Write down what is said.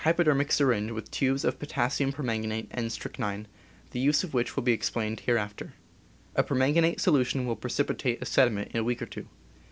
A Proud Moment PERSONAL KITS 33 dermic syringe with tubes of potassium permanganate and strychnin, the use of which will be explained hereafter. A permanganate solution will precipitate a sediment in a week or two.